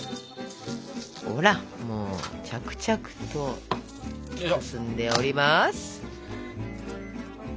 ほらもう着々と進んでおります！